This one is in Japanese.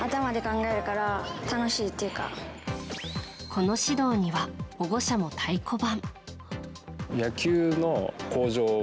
この指導には保護者も太鼓判。